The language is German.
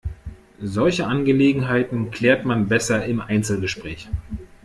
Solche Angelegenheiten klärt man besser im Einzelgespräch.